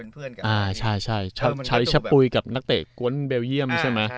ไฟชะปุยกับนักเตะก้นเบลเยี่ยมใช่ไหม